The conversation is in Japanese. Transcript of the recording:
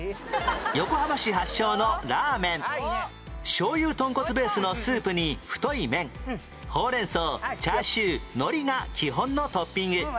しょうゆ豚骨ベースのスープに太い麺ほうれん草チャーシュー海苔が基本のトッピング